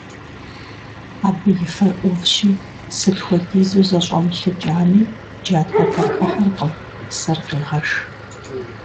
Абы и фэр Ӏувщи, сыт хуэдизу зэщӀэмылъыкӀами, джатэпэр хыхьэркъым, сэр къегъэш.